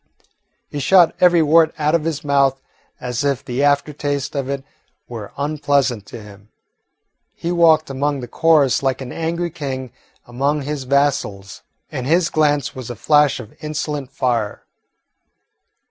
He shot every word out of his mouth as if the after taste of it were unpleasant to him. He walked among the chorus like an angry king among his vassals, and his glance was a flash of insolent fire.